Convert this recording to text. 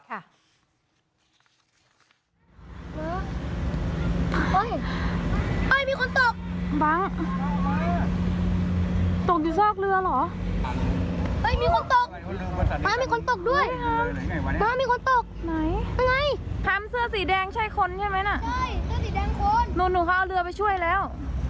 ผมหนูเค้าต้องเอาเรือไปช่วยแล้ว